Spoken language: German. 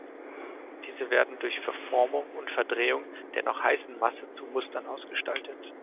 Diese werden durch Verformung und Verdrehung der noch heißen Masse zu Mustern ausgestaltet.